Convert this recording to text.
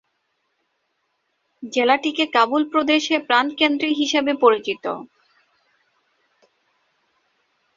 জেলাটিকে কাবুল প্রদেশের প্রাণকেন্দ্র হিসেবে পরিচিত।